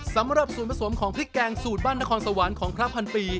สำหรับส่วนผสมของพริกแกงสูตรบ้านนครสวรรค์ของพระพันปี